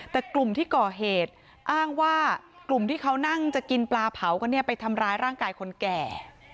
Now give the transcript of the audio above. แต่กลุ่มที่ก่อเหตุอ้างว่ากลุ่มที่เขานั่งจะกินปลาเผากันเนี่ยไปทำร้ายร่างกายคนแก่